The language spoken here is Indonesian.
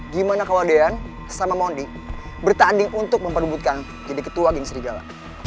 gimana kalau dian sama mondi bertanding untuk memperbutkan jadi ketua geng serigala